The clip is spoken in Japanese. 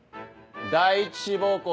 第一志望校